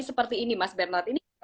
seperti ini mas bernard ini